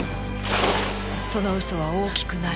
その嘘は大きくなり